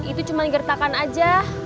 itu cuma geretakan aja